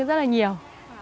rất là nhiều